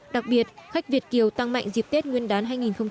đặc biệt khách việt kiều tăng mạnh dịp tết nguyên đán hai nghìn một mươi bảy